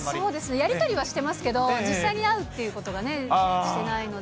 やり取りはしてますけど、実際に会うっていうことがしてないので。